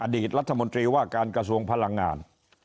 อดีตรัฐมนตรีว่าการกระทรวงพลังงาน